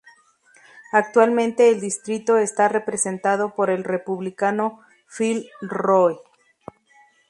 Actualmente el distrito está representado por el Republicano Phil Roe.